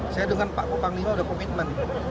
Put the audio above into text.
saya dengan pak panglima ada komitmen